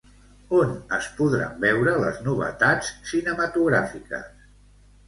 On es podran veure les novetats cinematogràfiques?